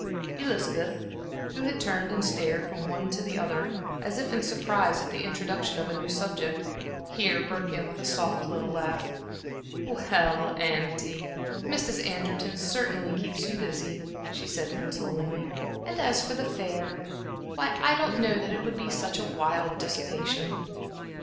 Elizabeth, who had turned and stared from one to the other, as if in surprise at the introduction of a new subject, here broke in with a soft little laugh. "Well, auntie, Mrs. Anderton certainly keeps you busy," she said, consolingly "and as for the fair why, I don't know that it would be such wild dissipation."